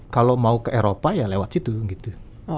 kalau mau ke eropa ya lewat situ gitu